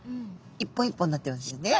一本一本になっていますよね。